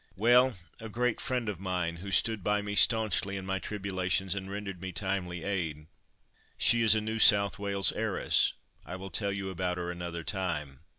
"Well; a great friend of mine, who stood by me staunchly in my tribulations and rendered me timely aid. She is a New South Wales heiress. I will tell you about her another time."